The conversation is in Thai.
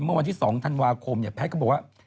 เมื่อวันที่๒ธันวาคมเนี่ยแพทย์ก็บอกว่า